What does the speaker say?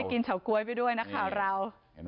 ก็ได้กินของทุกคนไปด้วยของหนักข่าวเรา